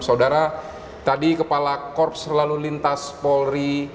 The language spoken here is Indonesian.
saudara tadi kepala korps lalu lintas polri